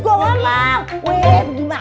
kamu mau berubah